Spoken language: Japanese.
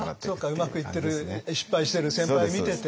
うまくいってる失敗してる先輩を見てて。